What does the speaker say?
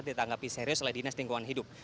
ditanggapi serius oleh dinas lingkungan hidup